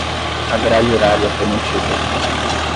A grade horária foi mantida